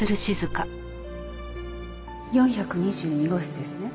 ４２２号室ですね。